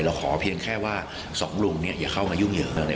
เราขอเพียงแค่ว่าสองลุงอย่าเข้ากันยุ่งเยอะ